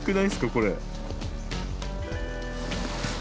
これ。